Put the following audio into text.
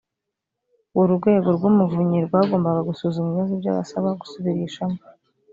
urwego rw’ umuvunyi rwagombaga gusuzuma ibibazo by’abasaba gusubirishamo